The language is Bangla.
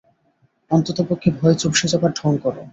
অন্ততপক্ষে ভয়ে চুপসে যাবার ঢং কর।